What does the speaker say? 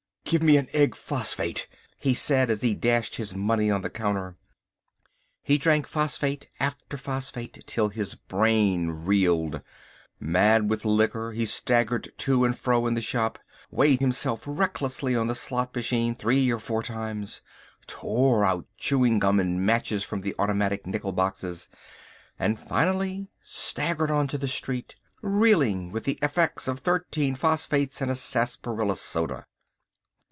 "Give me an egg phosphate," he said as he dashed his money on the counter. He drank phosphate after phosphate till his brain reeled. Mad with the liquor, he staggered to and fro in the shop, weighed himself recklessly on the slot machine three or four times, tore out chewing gum and matches from the automatic nickel boxes, and finally staggered on to the street, reeling from the effects of thirteen phosphates and a sarsaparilla soda.